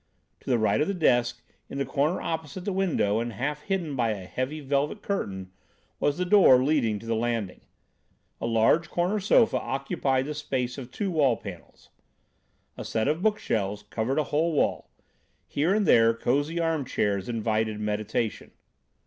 To the right of the desk in the corner opposite the window and half hidden by a heavy velvet curtain was the door leading to the landing. A large corner sofa occupied the space of two wall panels. A set of book shelves covered a whole wall. Here and there cosy armchairs invited meditation.